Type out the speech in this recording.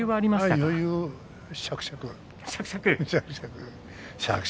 余裕しゃくしゃく。